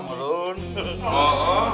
gak dosa berun